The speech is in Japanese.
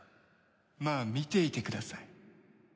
まあ見ていてください。